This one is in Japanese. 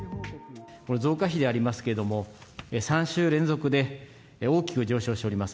増加比でありますけれども、３週連続で大きく上昇しております。